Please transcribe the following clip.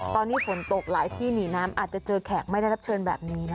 ตอนนี้ฝนตกหลายที่หนีน้ำอาจจะเจอแขกไม่ได้รับเชิญแบบนี้นะคะ